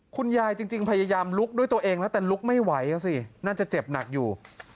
คุณยายจริงพยายามลุกด้วยตัวเองแล้วแต่ลุกไม่ไหวอ่ะสิน่าจะเจ็บหนักอยู่